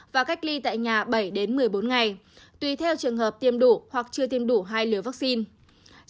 và cách ly tại nhà bảy đến một mươi bốn ngày tùy theo trường hợp tiêm đủ hoặc chưa tiêm đủ hai liều vaccine